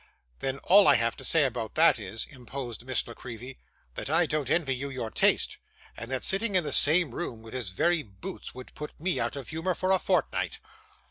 'Then all I have to say about that is,' interposed Miss La Creevy, 'that I don't envy you your taste; and that sitting in the same room with his very boots, would put me out of humour for a fortnight.